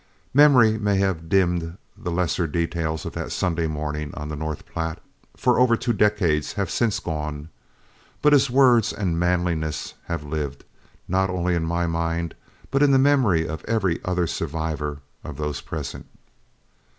Memory may have dimmed the lesser details of that Sunday morning on the North Platte, for over two decades have since gone, but his words and manliness have lived, not only in my mind, but in the memory of every other survivor of those present.